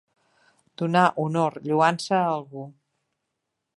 Donar honor, lloança, a algú.